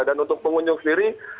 dan untuk pengunjung sendiri